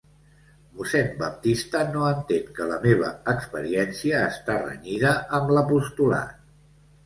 Mossèn Baptista no entén que la meva experiència està renyida amb l'apostolat.